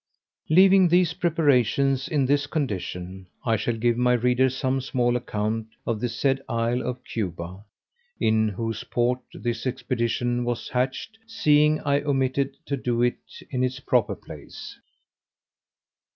Leaving these preparations in this condition, I shall give my reader some small account of the said isle of Cuba, in whose port this expedition was hatched, seeing I omitted to do it in its proper place.